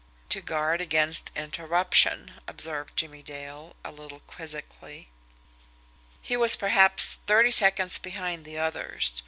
"To guard against interruption," observed Jimmie Dale, a little quizzically. He was, perhaps, thirty seconds behind the others.